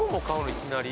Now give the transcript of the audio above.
いきなり。